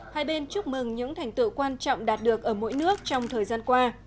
hai bên chúc mừng những thành tựu quan trọng đạt được ở mỗi nước trong thời gian qua